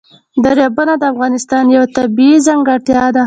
دریابونه د افغانستان یوه طبیعي ځانګړتیا ده.